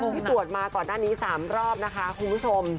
ที่ตรวจมาก่อนหน้านี้๓รอบนะคะคุณผู้ชม